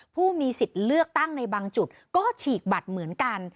ผู้มีสิทธิ์เลือกตั้งในบางจุดก็ฉีกบัตรเหมือนกัน